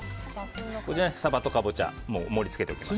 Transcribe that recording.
サバとカボチャ盛り付けておきました。